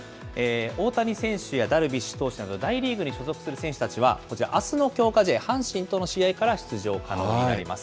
大谷選手やダルビッシュ投手など、大リーグに所属する選手たちは、こちら、あすの強化試合、阪神との試合から出場可能になります。